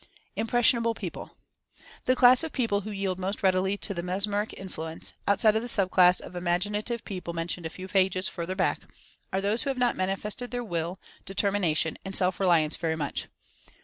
IMPRESSIONABLE PEOPLE. The class of people who yield most readily to Mes meric influence (outside of the sub class of imagina ry tive people mentioned a few pages further back) are those who have not manifested their Will. Determina Impressionability 69 tion and Self Reliance very much.